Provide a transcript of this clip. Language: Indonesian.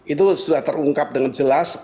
itu sudah terungkap dengan jelas